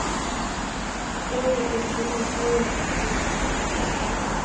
Ой, Окачий, ой, Окачий!